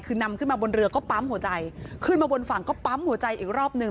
คือนำขึ้นมาบนเรือก็ปั๊มหัวใจขึ้นมาบนฝั่งก็ปั๊มหัวใจอีกรอบหนึ่ง